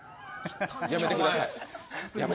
やめてください。